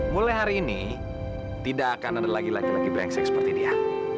mulai hari ini tidak akan ada lagi laki laki blengsek seperti dia